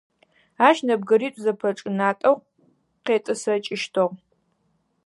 Ащ нэбгыритӏу зэпэчӏынатӏэу къетӏысэкӏыщтыгъ.